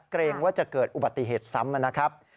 เกรงว่าจะเกิดอุบัติเหตุซ้ำนะครับ